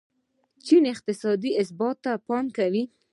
چین اقتصادي ثبات ته پام کوي.